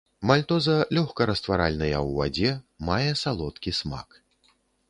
Мальтоза лёгка растваральныя ў вадзе, мае салодкі смак.